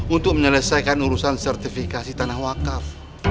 untuk menyelesaikan urusan sertifikasi tanah wakaf